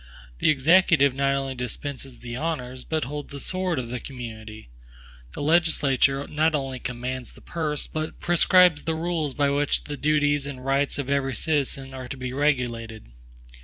The Executive not only dispenses the honors, but holds the sword of the community. The legislature not only commands the purse, but prescribes the rules by which the duties and rights of every citizen are to be regulated.